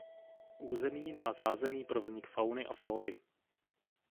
Území má zázemí pro vznik fauny a flory.